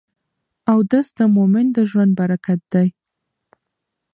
اودس د مؤمن د ژوند برکت دی.